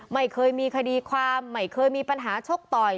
ไม่เคยมีคดีความไม่เคยมีปัญหาชกต่อย